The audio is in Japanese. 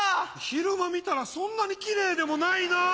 昼間見たらそんなにキレイでもないなぁ。